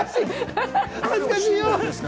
恥ずかしい！